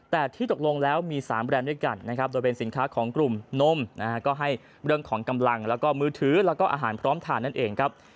แต่ที่ตกลงแล้วมี๓แบรนด์ด้วยกันนะครับโดยเป็นสินค้าของกลุ่มนมนะฮะก็ให้เรื่องของกำลังแล้วก็มือถือแล้วก็อาหารพร้อมทานนั่นเองครับ